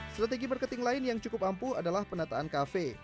strategi marketing lain yang cukup ampuh adalah penataan kafe